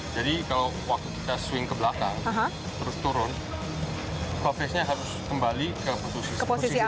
jadi kalau waktu kita swing ke belakang terus turun club face nya harus kembali ke posisi awal